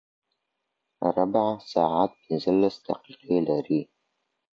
ربع ساعت پنځلس دقيقې لري.